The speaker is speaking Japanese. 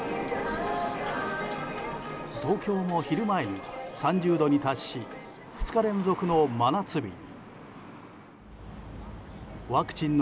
東京も昼前には３０度に達し２日連続の真夏日に。